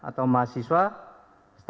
mengerti bahwa mereka memiliki di dunia endorsement